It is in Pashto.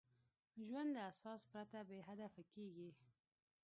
ژوند له اساس پرته بېهدفه کېږي.